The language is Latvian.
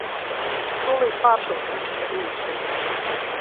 Tūlīt pārsūtīšu tev īsziņu.